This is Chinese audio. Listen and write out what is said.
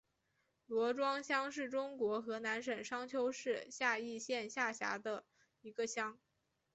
罗庄乡是中国河南省商丘市夏邑县下辖的一个乡。